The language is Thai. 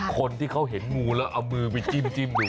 คนที่เขาเห็นงูแล้วเอามือไปจิ้มดู